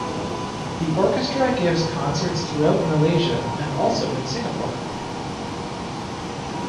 The orchestra gives concerts throughout Malaysia and also in Singapore.